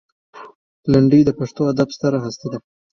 لنډۍ د پښتو ادب ستره هستي ده.